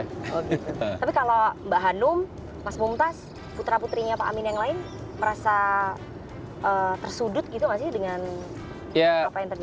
tapi kalau mbak hanum mas mumtaz putra putrinya pak amin yang lain merasa tersudut gitu gak sih dengan apa yang terjadi